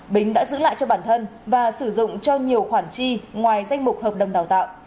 bính đã giữ lại cho bản thân và sử dụng cho nhiều khoản chi ngoài danh mục hợp đồng đào tạo